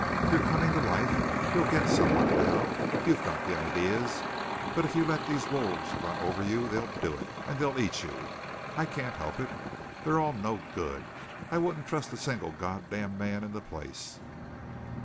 "You're coming to life. You'll get somewhere now. You've got the ideas, but if you let these wolves run over you they'll do it, and they'll eat you. I can't help it. They're all no good. I wouldn't trust a single God damned man in the place!"